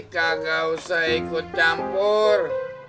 kagak usah ikut campur